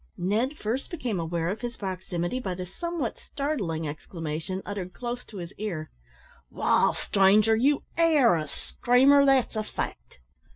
Ned first became aware of his proximity by the somewhat startling exclamation, uttered close to his ear "Wall, stranger, you air a screamer, that's a fact!"